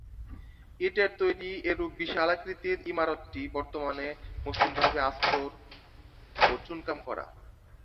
ইটের তৈরী এরূপ বিশালাকৃতির ইমারতটি বর্তমানে মসৃণভাবে আস্তর ও চুনকাম করা।